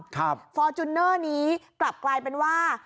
ฟอร์จูเนอร์นี้กลับกลายเป็นว่า